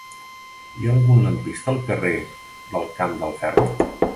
Hi ha algun lampista al carrer del Camp del Ferro?